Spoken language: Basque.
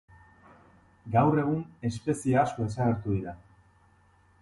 Gaur egun espezie asko desagertu dira.